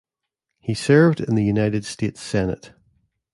He served in the United States Senate.